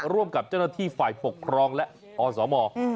ร่วมกับเจ้าหน้าที่ฝ่ายปกครองและอสม